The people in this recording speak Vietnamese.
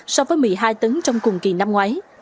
so với một mươi hai tấn trong cùng kỳ năm ngoái